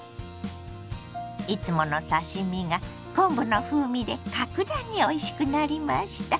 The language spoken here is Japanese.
いつもの刺し身が昆布の風味で格段においしくなりました。